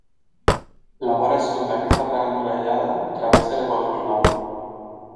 La vora sud d'aquesta plana emmurallada travessa l'equador lunar.